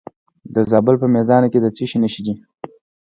د زابل په میزانه کې د څه شي نښې دي؟